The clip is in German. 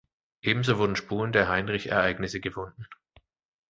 Ebenso wurden Spuren der Heinrich-Ereignisse gefunden.